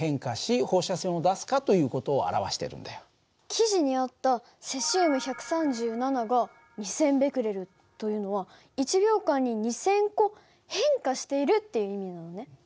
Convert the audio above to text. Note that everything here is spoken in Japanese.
記事にあった「セシウム１３７が２，０００ベクレル」というのは１秒間に２，０００個変化しているっていう意味なのね。